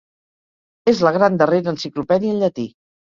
És la gran darrera enciclopèdia en llatí.